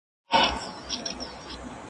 زه به اوږده موده د زده کړو تمرين کړی وم!!